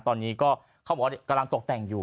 ตอนนี้ก็เขาบอกว่ากำลังตกแต่งอยู่